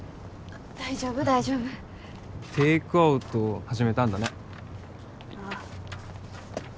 大丈夫大丈夫テイクアウト始めたんだねああ